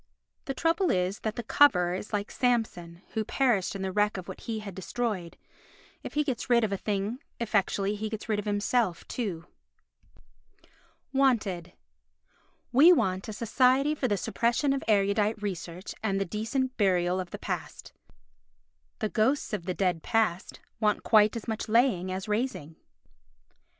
The trouble is that the coverer is like Samson who perished in the wreck of what he had destroyed; if he gets rid of a thing effectually he gets rid of himself too. Wanted We want a Society for the Suppression of Erudite Research and the Decent Burial of the Past. The ghosts of the dead past want quite as much laying as raising.